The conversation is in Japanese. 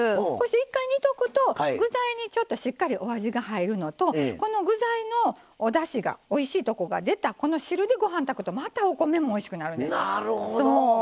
一回煮ておくと具材にしっかりお味が入るのとこの具材のおだしのおいしいところが出たこの汁で、ご飯を炊くとまたお米がおいしくなるんです。